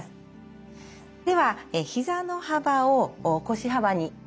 ではひざの幅を腰幅に。